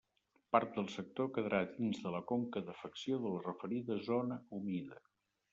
Part del sector quedarà dins de la conca d'afecció de la referida zona humida.